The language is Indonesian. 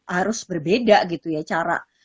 harus berbeda gitu ya cara